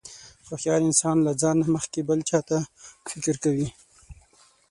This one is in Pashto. هوښیار انسان له ځان نه مخکې بل چاته فکر کوي.